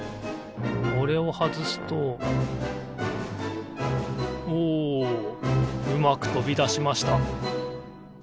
これをはずすとおおうまくとびだしました。